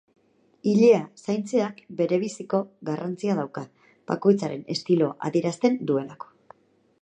Ilea zaintzeak berebiziko garrantzia dauka, bakoitzaren estiloa adierazten duelako.